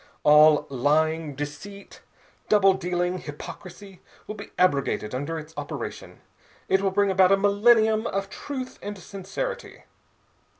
All lying, deceit, double dealing, hypocrisy, will be abrogated under its operation. It will bring about a millennium of truth and sincerity.